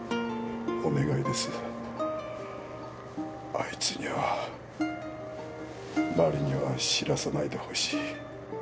あいつには真理には知らさないでほしい。